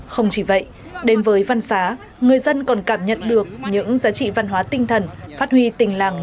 không chỉ vậy đến với văn xá người dân còn cảm nhận được những giá trị văn hóa tinh thần phát huy tình làng